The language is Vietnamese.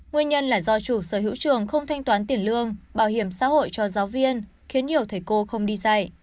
nguyên nhân là do chủ sở hữu trường không thanh toán tiền lương bảo hiểm xã hội cho giáo viên khiến nhiều thầy cô không đi dạy